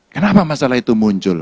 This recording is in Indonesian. kenapa masalah itu muncul